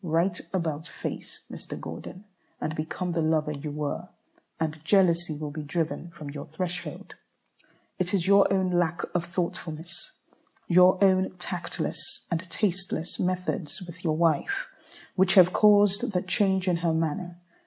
Right about face, Mr. Gordon, and become the lover you were, and jealousy will be driven from your threshold. It is your own lack of thoughtfulness, your own tactless and tasteless methods with your wife, which have caused the change in her manner.